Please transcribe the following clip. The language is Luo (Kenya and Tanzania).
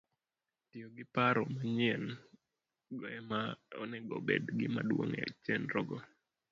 Tiyo gi paro manyien - go ema onego obed gimaduong ' e chenrogo